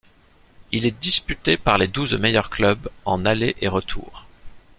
Il est disputé par les douze meilleurs clubs en aller et retour.